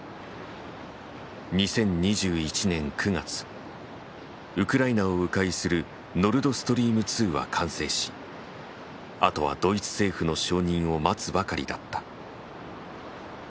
２０２１年９月ウクライナを迂回するノルドストリーム２は完成しあとはドイツ政府の承認を待つばかりだった。